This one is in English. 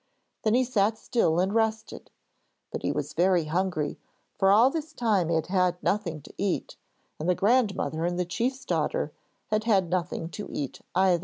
Then he sat still and rested; but he was very hungry, for all this time he had had nothing to eat, and the grandmother and the chief's daughter had had nothing to eat either.